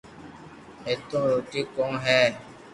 ايتو روئي ڪون ھي